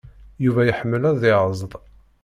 Yuba iḥemmel ad yeẓd.